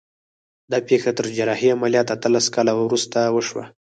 دا پېښه تر جراحي عملیات اتلس کاله وروسته وشوه